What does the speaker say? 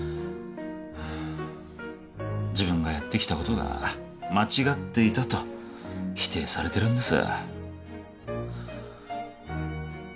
ハァ自分がやってきたことが間違っていたと否定されてるんです。